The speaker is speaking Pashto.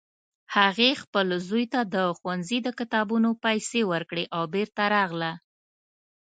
هغې خپل زوی ته د ښوونځي د کتابونو پیسې ورکړې او بیرته راغله